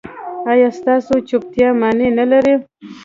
ایا ستاسو چوپتیا معنی نلري؟